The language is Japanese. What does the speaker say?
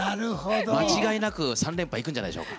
間違いなく、３連覇いくんじゃないでしょうか。